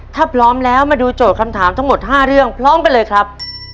ถ้าพร้อมแล้วมาดูโจทย์คำถามทั้งหมด๕เรื่องพร้อมกันเลยครับ